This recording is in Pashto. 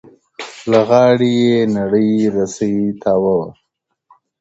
له غاړې یې نرۍ رسۍ تاوه وه